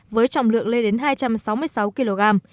với trọng lượng lên đến hai trăm sáu mươi sáu kg